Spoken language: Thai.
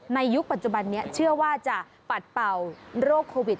ยุคปัจจุบันนี้เชื่อว่าจะปัดเป่าโรคโควิด